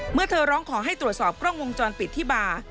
เมื่อเธอร้องขอให้ตรวจสอบกล้องวงจรปิดที่บาร์